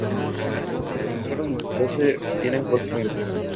Con el agujero del pulgar se obtienen cuatro notas.